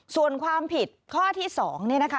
ส่วนความผิดข้อที่๒เนี่ยนะคะ